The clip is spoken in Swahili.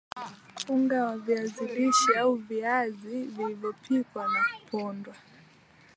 Unga wa viazi lishe au viazi vilivyopikwa na kupondwa